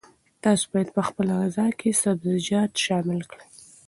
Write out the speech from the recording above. تاسي باید په خپله غذا کې سبزیجات شامل کړئ.